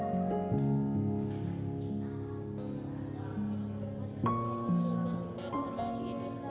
di luar kota